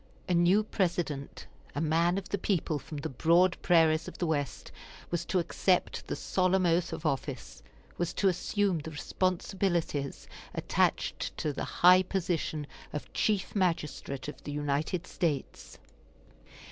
A new President, a man of the people from the broad prairies of the West, was to accept the solemn oath of office, was to assume the responsibilities attached to the high position of Chief Magistrate of the United States.